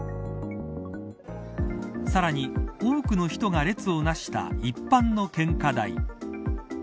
さらに、多くの人が列をなした一般の献花台。